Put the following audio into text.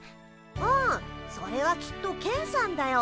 うんそれはきっとケンさんだよ。